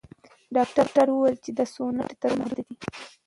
ډاکټره وویل چې د سونا ګټې تر اوسه محدودې دي.